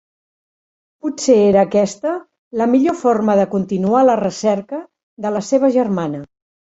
Potser era aquesta la millor forma de continuar la recerca de la seva germana.